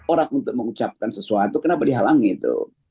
orang untuk mengucapkan sesuatu kenapa dihalangi itu